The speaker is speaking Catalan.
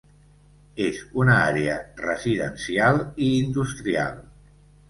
És una àrea residencial i industrial.